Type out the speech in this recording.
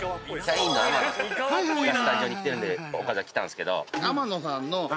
スタジオに来てるんで岡崎に来たんですけど。